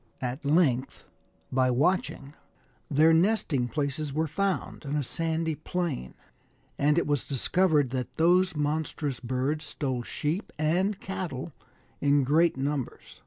At length, by watching, their nesting places were found in a sandy plain, and it was discovered that those monstrous birds stole sheep and cattle in great numbers.